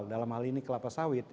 dalam hal ini kelapa sawit